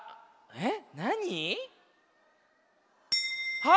えっ！